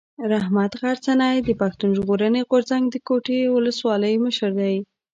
رحمت غرڅنی د پښتون ژغورني غورځنګ د کوټي اولسوالۍ مشر دی.